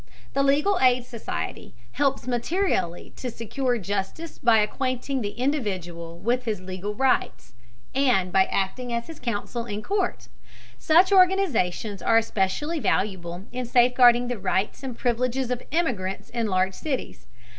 The legal aid society helps materially to secure justice by acquainting the individual with his legal rights, and by acting as his counsel in court. Such organizations are especially valuable in safeguarding the rights and privileges of immigrants in large cities.